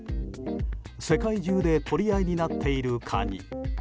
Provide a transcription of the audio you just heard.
世界中で取り合いになっているカニ。